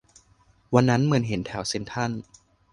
วันนั้นเหมือนเห็นแถวเซ็นทรัล